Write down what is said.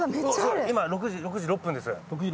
今６時６分です。